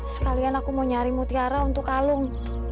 sekalian aku mau nyari mutiara untuk kalung